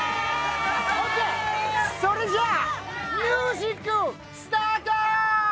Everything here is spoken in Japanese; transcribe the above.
それじゃあ、ミュージックスタート！